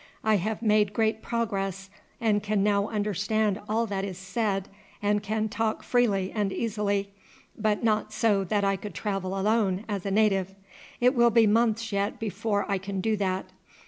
I have made great progress, and can now understand all that is said and can talk freely and easily, but not so that I could travel alone as a native. It will be months yet before I can do that.